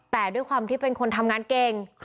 แต่ด้วยความที่เป็นคนทำงานเก่ง